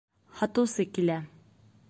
Һатыусы килә